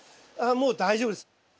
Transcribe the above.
ああもう大丈夫です。